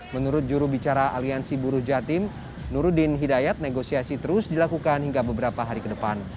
menurut jurubicara aliansi buruh jatim nurudin hidayat negosiasi terus dilakukan hingga beberapa hari ke depan